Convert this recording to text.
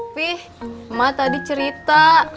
fi emak tadi cerita